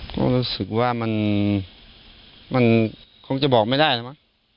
ก็รู้สึกว่ามันมันคงจะบอกไม่ได้นะับะ